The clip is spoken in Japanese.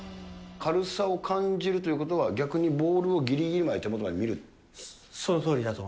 軽さを感じるということは、逆にボールをぎりぎりまで手元で見ると。